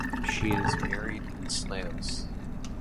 She is buried in Slagelse.